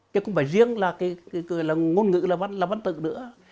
chứ không phải riêng là ngôn ngữ là văn tự nữa